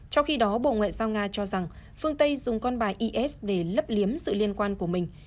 trong khi đó bộ ngoại giao nga cho rằng phương tây dùng con bài is để lấp liếm sự liên quan của mình